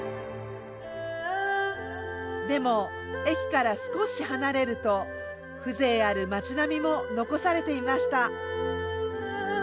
でも駅から少し離れると風情ある町並みも残されていました。